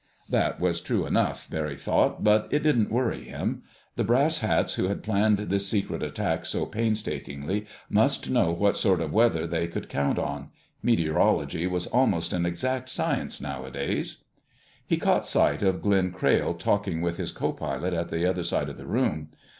That was true enough, Barry thought, but it didn't worry him. The brass hats who had planned this secret attack so painstakingly must know what sort of weather they could count on. Meteorology was almost an exact science nowadays. He caught sight of Glenn Crayle talking with his co pilot at the other side of the room.